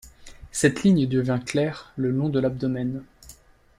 Cette ligne devient claire le long de l'abdomen.